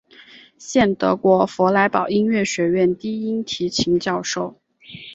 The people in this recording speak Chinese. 现德国弗莱堡音乐学院低音提琴教授。